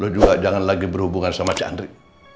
lo juga jangan lagi berhubungan sama candri